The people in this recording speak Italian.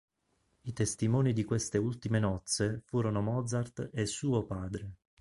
I testimoni di queste ultime nozze furono Mozart e suo padre.